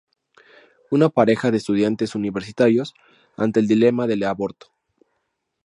Una pareja de estudiantes universitarios ante el dilema del aborto.